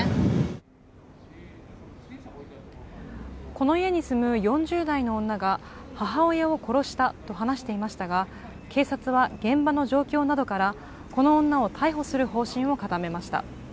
この家に住む４０代の女が母親を殺したと話していましたが警察は現場の状況などから、この女を逮捕する方針を固めました。